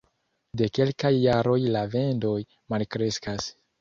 De kelkaj jaroj la vendoj malkreskas.